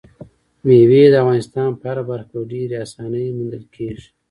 مېوې د افغانستان په هره برخه کې په ډېرې اسانۍ موندل کېږي.